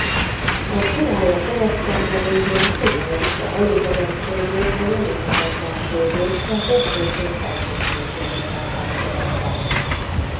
A király a seregszemle végén kifejezte elégedettségét vagy elégedetlenségét a testőrség felkészültségével kapcsolatban.